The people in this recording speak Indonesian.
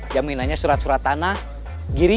jaminannya surat surat tanah giri